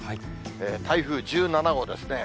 台風１７号ですね。